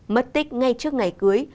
mất tích ngay trước ngày cưới